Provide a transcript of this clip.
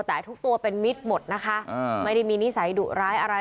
แต่ทุกตัวเป็นมิตรหมดนะคะไม่ได้มีนิสัยดุร้ายอะไร